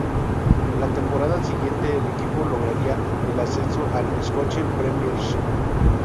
La temporada siguiente el equipo lograría el ascenso a la Scottish Premiership.